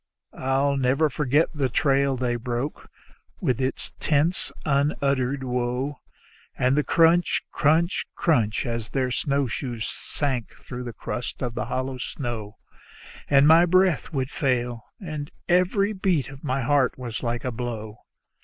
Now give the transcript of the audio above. I'll never forget the trail they broke, with its tense, unuttered woe; And the crunch, crunch, crunch as their snowshoes sank through the crust of the hollow snow; And my breath would fail, and every beat of my heart was like a blow.